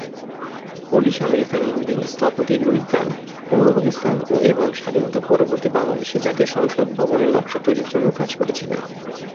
Polish-American ইহুদি স্থপতি Luis কান পূর্ব পাকিস্তান এবং স্বাধীন-পরবর্তী বাংলাদেশে জাতীয় সংসদ ভবনের নকশা তৈরির জন্য কাজ করেছিলেন।